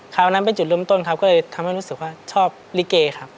นั้นเป็นจุดเริ่มต้นครับก็เลยทำให้รู้สึกว่าชอบลิเกครับ